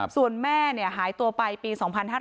ส่วนแม่หายตัวไปปี๒๕๕๙